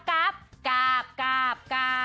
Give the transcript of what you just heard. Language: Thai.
กาบกาบกาบ